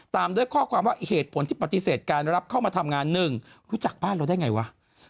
ตามด้วยข้อความว่าเหตุผลที่ปฏิเสธการรับเข้ามาทำงาน๑รู้จักบ้านเราได้ไงวะ